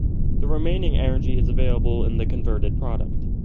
The remaining energy is available in the converted product.